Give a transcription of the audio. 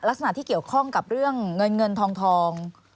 ลักษณะที่เกี่ยวข้องกับเรื่องเงินเงินทอง